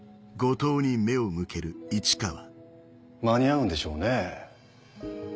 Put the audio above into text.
間に合うんでしょうねぇ？